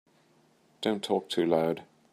Don't talk too loud.